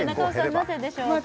なぜでしょうか？